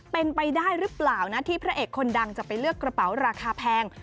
เป็นไปได้หรือเปล่านะที่พระเอกคนดังจะไปเลือกกระเป๋าราคาแพง